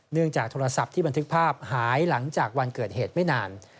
จากโทรศัพท์ที่บันทึกภาพหายหลังจากวันเกิดเหตุไม่นาน